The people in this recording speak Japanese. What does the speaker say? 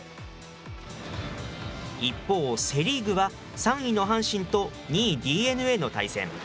一方、セ・リーグは３位の阪神と２位ＤｅＮＡの対戦。